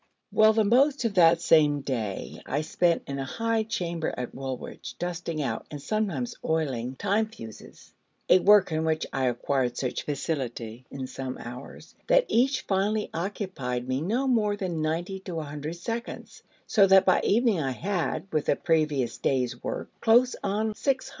Well, the most of that same day I spent in a high chamber at Woolwich, dusting out, and sometimes oiling, time fuses: a work in which I acquired such facility in some hours, that each finally occupied me no more than ninety to a hundred seconds, so that by evening I had, with the previous day's work, close on 600.